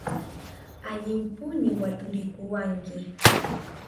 Allimpuni waturikuwanki!